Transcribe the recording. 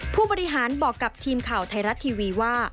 ผู้บริหารบอกกับทีมข่าวไทยรัฐทีวีว่า